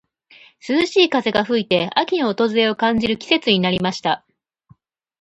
涼しい風が吹いて、秋の訪れを感じる季節になりました。